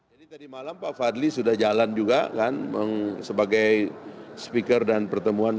jadi tadi malam pak fadli sudah jalan juga kan sebagai speaker dan pertemuan